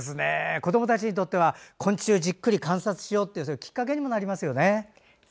子どもたちにとっては昆虫をじっくり観察しようというきっかけにもなりますよね。